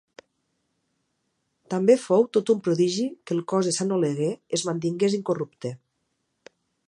També fou tot un prodigi que el cos de Sant Oleguer es mantingués incorrupte.